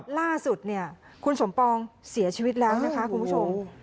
ล่าสุดเนี่ยคุณสมปองเสียชีวิตแล้วนะคะคุณผู้ชม